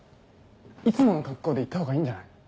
いつもの格好で行ったほうがいいんじゃない？